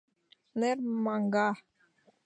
Нер-маҥга